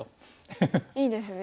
いいですね。